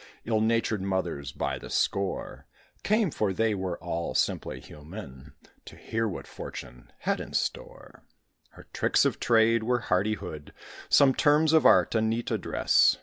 Ill natured mothers, by the score, Came for they all were simply human To hear what Fortune had in store. Her tricks of trade were hardihood, Some terms of art, a neat address.